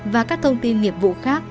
và các thông tin nghiệp vụ khác